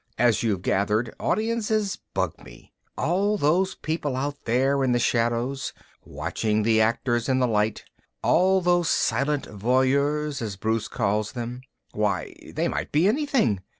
As you've gathered, audiences bug me. All those people out there in the shadows, watching the actors in the light, all those silent voyeurs as Bruce calls them. Why, they might be anything.